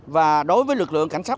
và đối với lực lượng cảnh sát